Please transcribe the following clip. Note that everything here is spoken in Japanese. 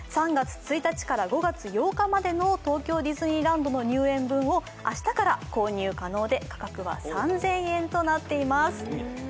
３月１日から５月８日までの東京ディズニーランドの入園分を明日から購入可能で価格が３０００円となっています。